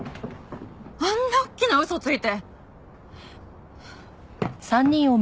あんな大きな嘘ついて。